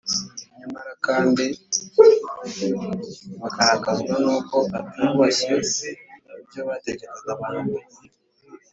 Nyamara kandi bakarakazwa n’uko atubashye ibyo bategekaga abantu gukora.